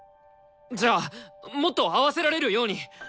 じゃあもっと合わせられるように。